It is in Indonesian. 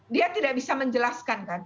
dia tidak bisa menjelaskan kan